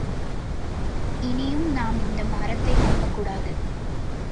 இனியும் நாம் இந்த மரத்தை நம்பக்கூடாது.